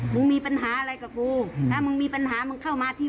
มึงมีปัญหาอะไรกับกูถ้ามึงมีปัญหามึงเข้ามาที่